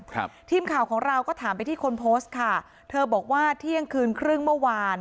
ครับทีมข่าวของเราก็ถามไปที่คนโพสต์ค่ะเธอบอกว่าเที่ยงคืนครึ่งเมื่อวาน